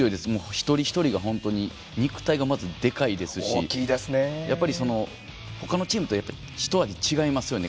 一人一人が本当に肉体がまずでかいですしやっぱり、他のチームと一味違いますよね。